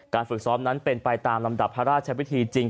ฝึกซ้อมนั้นเป็นไปตามลำดับพระราชวิธีจริง